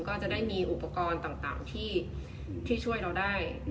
ก็จะได้มีอุปกรณ์ต่างที่ช่วยเราได้